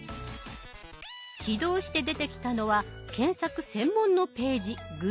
起動して出てきたのは検索専門のページ「Ｇｏｏｇｌｅ」です。